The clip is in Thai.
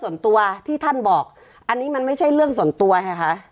ส่วนตัวที่ท่านบอกอันนี้มันไม่ใช่เรื่องส่วนตัวไงคะ